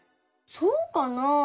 そうかな？